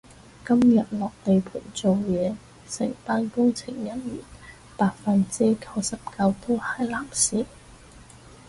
今日落地盤做嘢，成班工程人員百分之九十九都係男士